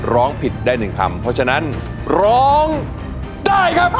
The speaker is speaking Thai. ร้องผิดได้๑คำเพราะฉะนั้นร้องได้ครับ